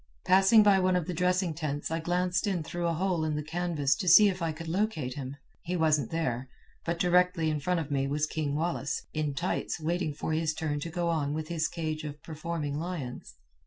"Passing by one of the dressing tents I glanced in through a hole in the canvas to see if I could locate him. He wasn't there, but directly in front of me was King Wallace, in tights, waiting for his turn to go on with his cage of performing lions.